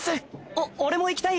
お俺も行きたい！